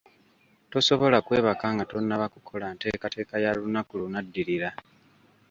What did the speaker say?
Tasobola kwebaka nga tannaba kukola nteekateeka ya lunaku lunaddirira.